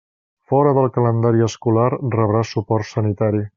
Fora del calendari escolar rebrà suport sanitari.